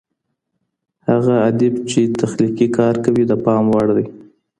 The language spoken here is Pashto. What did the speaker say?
هغه ادئب چي تخلیقي کار کوي د پام وړ دئ.